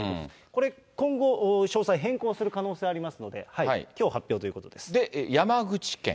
これ今後、詳細、変更する可能性ありますので、きょう発表という山口県。